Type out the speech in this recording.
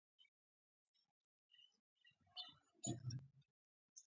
بېنډۍ د قحطۍ په وخت کې هم حاصل ورکوي